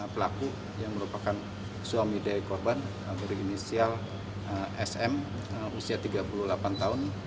pelaku yang merupakan suami dari korban berinisial sm usia tiga puluh delapan tahun